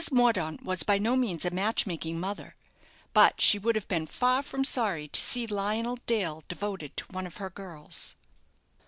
Mordaunt was by no means a match making mother; but she would have been far from sorry to see Lionel Dale devoted to one of her girls.